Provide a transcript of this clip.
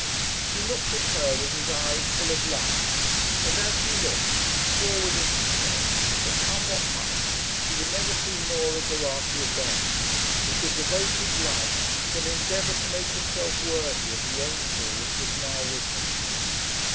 He looked at her with his eyes full of love; and as he looked, he swore within himself that come what might, he would never see Norah Geraghty again, but would devote his life to an endeavour to make himself worthy of the angel that was now with him.